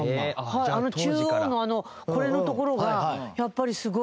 あの中央のこれの所がやっぱりすごく印象的で。